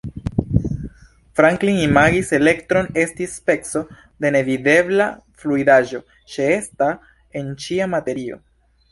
Franklin imagis elektron esti speco de nevidebla fluidaĵo ĉeesta en ĉia materio.